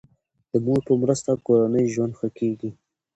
د مور په مرسته کورنی ژوند ښه کیږي.